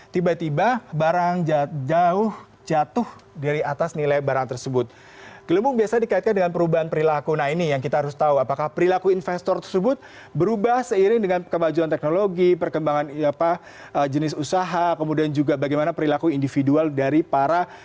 tiba tiba barang jauh jatuh dari dunia